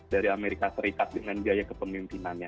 dari amerika serikat dengan biaya kepemimpinannya